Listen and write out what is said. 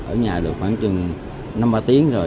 ở nhà được khoảng chừng năm ba tiếng rồi